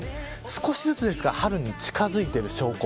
少しずつですが春に近づいている証拠。